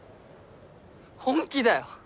本気だよ！